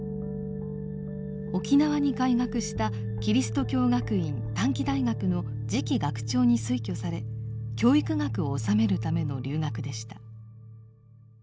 沖縄に開学したキリスト教学院短期大学の次期学長に推挙され教育学を修めるための留学でした。